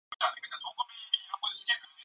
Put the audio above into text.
읍에 출입이 잦으면서부터 덕호는 간난이를 내어보냈다.